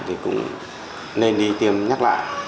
thì cũng nên đi tiêm nhắc lại